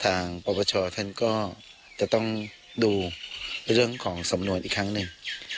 ปปชท่านก็จะต้องดูในเรื่องของสำนวนอีกครั้งหนึ่ง